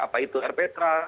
apa itu rptra